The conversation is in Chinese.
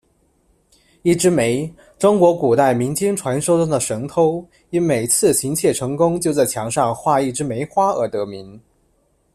一枝梅，中国古代民间传说中的神偷，因每次行窃成功就在墙上画一枝梅花而得名。